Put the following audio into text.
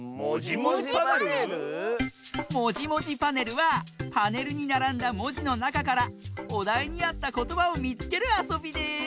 「もじもじパネル」はパネルにならんだもじのなかからおだいにあったことばをみつけるあそびです！